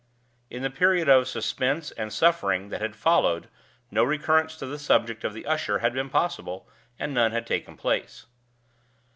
In the period of suspense and suffering that had followed no recurrence to the subject of the usher had been possible, and none had taken place.